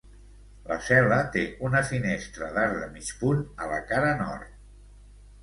La cel·la té una finestra d'arc de mig punt a la cara nord.